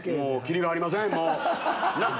切りがありません！